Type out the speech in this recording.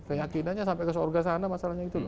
keyakinannya sampai ke sorga sana masalahnya itu lho